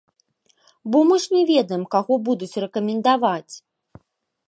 Бо мы ж не ведаем, каго будуць рэкамендаваць?